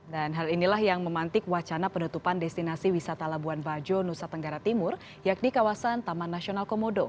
dan hal inilah yang memantik wacana penutupan destinasi wisata labuan bajo nusa tenggara timur yakni kawasan taman nasional komodo